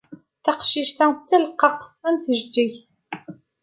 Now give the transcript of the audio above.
Taqcict-a d taleqqaqt am tjeǧǧigt.